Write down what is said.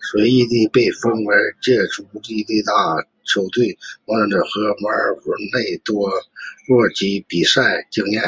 随即他便被本菲卡租借到意大利球队摩德纳和卡尔佩内多洛积累比赛经验。